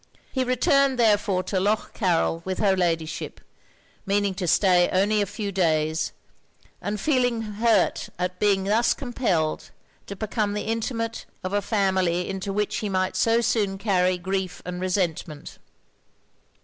He returned, therefore, to Lough Carryl with her Ladyship; meaning to stay only a few days, and feeling hurt at being thus compelled to become the inmate of a family into which he might so soon carry grief and resentment.